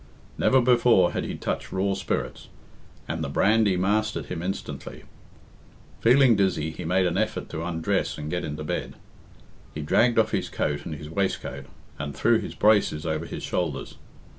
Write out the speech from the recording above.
Never before had he touched raw spirits, and the brandy mastered him instantly. Feeling dizzy, he made an effort to undress and get into bed. He dragged off his coat and his waistcoat, and threw his braces over his shoulders.